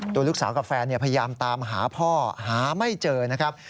ตัวลูกสาวกับแฟนพยายามตามหาพ่อหาไม่เจอนะครับ